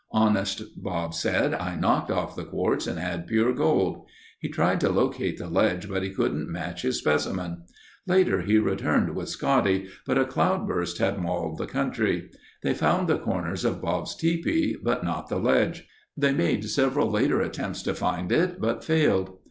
"Honest," Bob said, "I knocked off the quartz and had pure gold." He tried to locate the ledge but he couldn't match his specimen. Later he returned with Scotty, but a cloudburst had mauled the country. They found the corners of Bob's tepee, but not the ledge. They made several later attempts to find it, but failed.